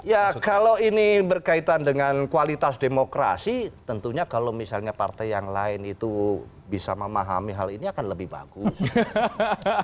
ya kalau ini berkaitan dengan kualitas demokrasi tentunya kalau misalnya partai yang lain itu bisa memahami hal ini akan lebih bagus